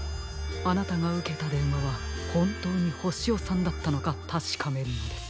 あなたがうけたでんわはほんとうにホシヨさんだったのかたしかめるのです。